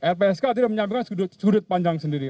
lpsk tidak menyampaikan sudut sudut pandang sendiri